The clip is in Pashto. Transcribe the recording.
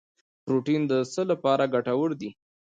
پروټین د څه لپاره ګټور دی